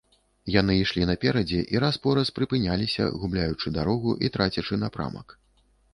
Яны ішлі наперадзе і раз-пораз прыпыняліся, губляючы дарогу і трацячы напрамак.